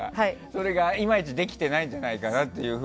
それがいまいちできてないんじゃないかなと。